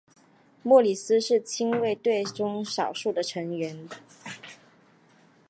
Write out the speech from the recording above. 莫里斯是亲卫队中少数的成员。